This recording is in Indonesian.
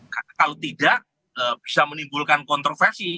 karena kalau tidak bisa menimbulkan kontroversi